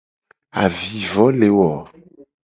Avivo le wo.